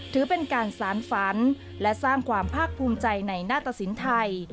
ถือเป็นการสารฝันและสร้างความภาคภูมิใจในหน้าตสินไทย